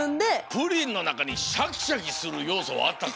プリンのなかにシャキシャキするようそはあったか？